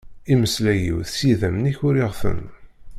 Imeslayen-iw s yidammen-ik uriɣ-ten.